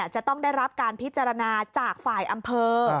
จะต้องได้รับการพิจารณาจากฝ่ายอำเภอ